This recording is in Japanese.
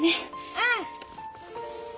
うん。